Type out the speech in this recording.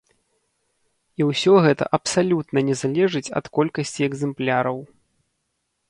І ўсё гэта абсалютна не залежыць ад колькасці экзэмпляраў.